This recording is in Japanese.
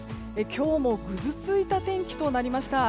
今日もぐずついた天気となりました。